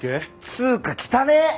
つうか汚え！